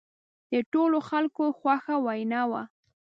د ټولو خلکو خوښه وینا وه.